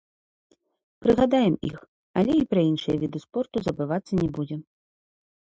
Прыгадаем іх, але і пра іншыя віды спорту забывацца не будзем.